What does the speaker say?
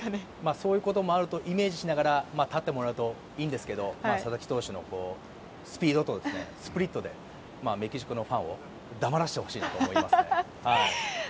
そういうこともあるとイメージしながら立ってもらうといいんですけど佐々木投手のスピードとスプリットでメキシコのファンを黙らせてほしいなと思います。